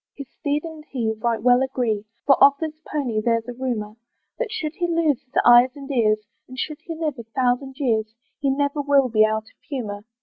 His steed and he right well agree, For of this pony there's a rumour, That should he lose his eyes and ears, And should he live a thousand years, He never will be out of humour.